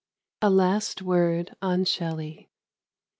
A LAST WORD ON SHELLEY.